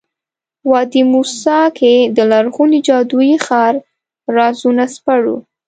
وادي موسی کې د لرغوني جادویي ښار رازونه سپړو.